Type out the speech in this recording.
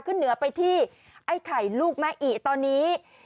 ขึ้นเหนือไปที่ไอ้ไข่ลูกแม่อิตอนนี้